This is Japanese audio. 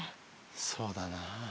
そうだな。